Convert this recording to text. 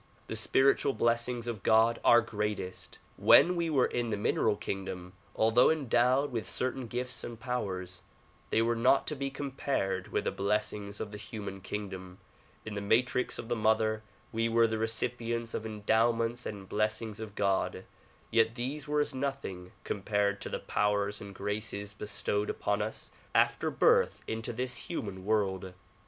The spiritual blessings of God are greatest. "When we were in the mineral kingdom, although endowed with certain gifts and powers, they were not to be compared with the blessings of the human kingdom. In the matrix of the mother we were the recipients of endowments and blessings of God, yet these were as nothing compared to the powers and graces bestowed upon us after birth into this human world.